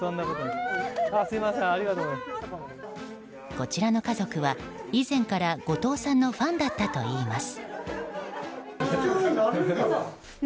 こちらの家族は以前から後藤さんのファンだったといいます。